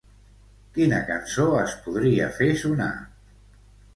Quina cançó es podria fer sonar?